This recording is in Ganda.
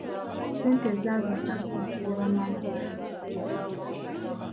Ssente ezaagenda mu kujjanjaba maama zaali mpitirivu nnyo.